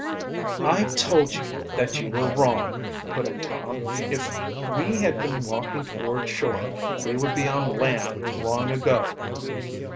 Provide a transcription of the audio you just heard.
"I told you that you were wrong," put in Tom. "If we had been walking toward shore we would be on land long ago."